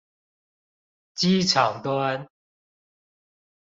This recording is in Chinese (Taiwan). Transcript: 機場端